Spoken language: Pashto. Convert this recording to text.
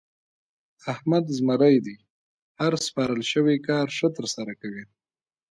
احمد زمری دی؛ هر سپارل شوی کار ښه ترسره کوي.